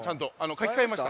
かきかえました。